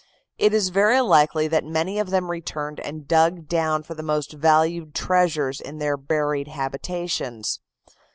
It is very likely that many of them returned and dug down for the most valued treasures in their buried habitations.